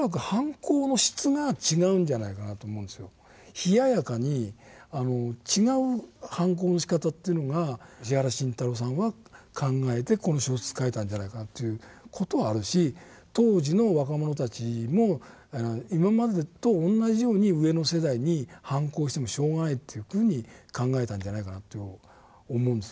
冷ややかに違う反抗のしかたというのが石原慎太郎さんは考えてこの小説書いたんじゃないかなという事はあるし当時の若者たちも今までと同じように上の世代に反抗してもしょうがないというふうに考えたんじゃないかなと思うんですよね。